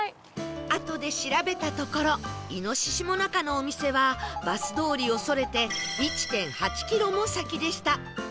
あとで調べたところ猪最中のお店はバス通りをそれて １．８ キロも先でした